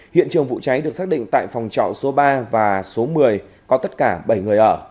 hiện trường vụ cháy được xác định tại phòng trọ số ba và số một mươi có tất cả bảy người ở